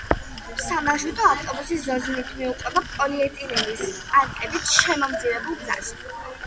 სამარშრუტო ავტობუსი ზოზინით მიუყვება პოლიეთილენის პარკებით შემომძივებულ გზას.